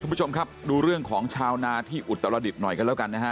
คุณผู้ชมครับดูเรื่องของชาวนาที่อุตรดิษฐ์หน่อยกันแล้วกันนะฮะ